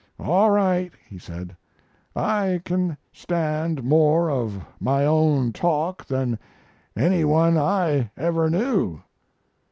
"All right," he said, "I can stand more of my own talk than any one I ever knew."